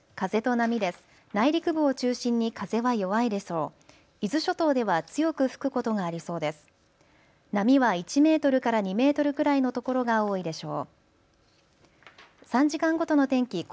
波は１メートルから２メートルくらいのところが多いでしょう。